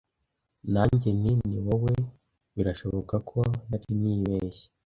nanjye nti ni wowe birashoboka ko nari nibeshye